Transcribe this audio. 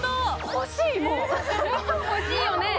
欲しいよね。